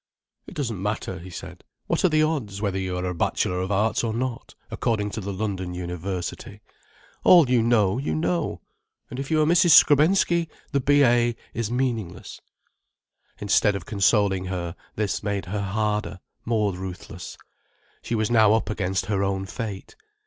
"It doesn't matter," he said. "What are the odds, whether you are a Bachelor of Arts or not, according to the London University? All you know, you know, and if you are Mrs. Skrebensky, the B.A. is meaningless." Instead of consoling her, this made her harder, more ruthless. She was now up against her own fate.